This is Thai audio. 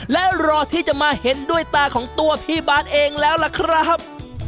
และรอที่จะมาเห็นด้วยตาของตัวพี่บาทเองแล้วล่ะครับ